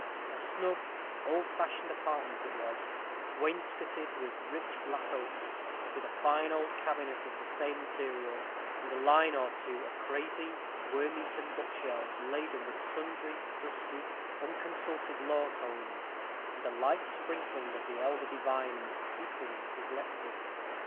A snug, old fashioned apartment it was; wainscoted with rich black oak; with a fine old cabinet of the same material, and a line or two of crazy, worm eaten bookshelves, laden with sundry dusty, unconsulted law tomes, and a light sprinkling of the elder divines, equally neglected.